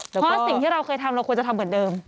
เพราะสิ่งที่เราเคยทำเราควรจะทำเหมือนเดิม